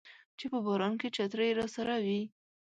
چې په باران کې چترۍ راسره وي